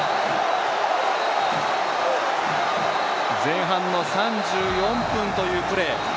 前半の３４分というプレー。